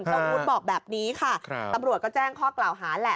อาวุธบอกแบบนี้ค่ะตำรวจก็แจ้งข้อกล่าวหาแหละ